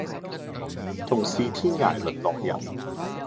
同是天涯淪落人